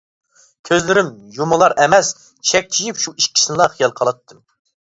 كۆزلىرىم يۇمۇلار ئەمەس چەكچىيىپ شۇ ئىككىسىنىلا خىيال قىلاتتىم.